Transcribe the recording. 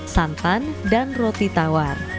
santan dan roti tawar